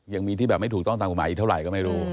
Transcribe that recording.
ยังมีที่แบบไม่ถูกต้องตามกฎหมายอีกเท่าไหร่ก็ไม่รู้